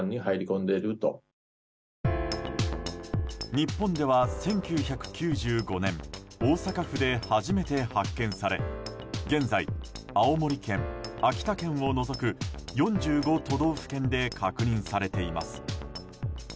日本では１９９５年大阪府で初めて発見され現在、青森県、秋田県を除く４５都道府県で確認されています。